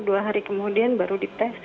dua hari kemudian baru di tes